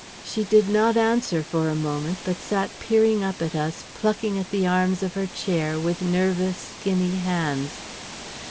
She did not answer for a moment, but sat peering up at us, plucking at the arms of her chair with nervous, skinny hands.